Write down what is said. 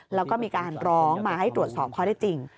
แล้วก็มีการร้องมาให้ตรวจสอบข้อได้จริง